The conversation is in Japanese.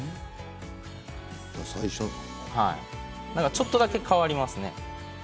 ちょっとだけ変わります。